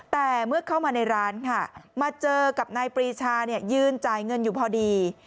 แต่เมื่อเข้ามาในร้านค่ะมาเจอกับนายปรีชายืนจ่ายเงินอยู่พอดี